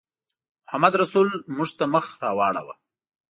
محمدرسول موږ ته مخ راواړاوه.